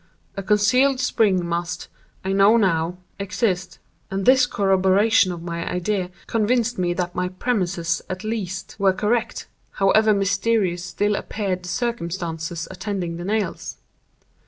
A concealed spring must, I now know, exist; and this corroboration of my idea convinced me that my premises at least, were correct, however mysterious still appeared the circumstances attending the nails.